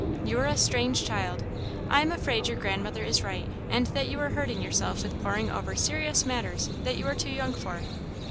"You are a strange child. I am afraid your grandmother is right, and that you are hurting yourself with poring over serious matters that you are too young for."